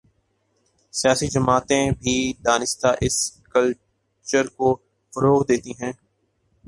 سیاسی جماعتیں بھی دانستہ اس کلچرکو فروغ دیتی ہیں۔